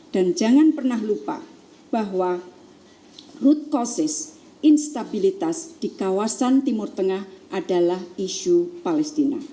dan jangan pernah lupa bahwa root causes instabilitas di kawasan timur tengah adalah isu palestina